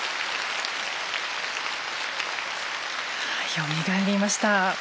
よみがえりました。